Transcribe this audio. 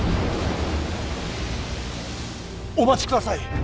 お待ちください。